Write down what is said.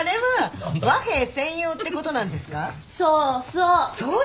そうそう。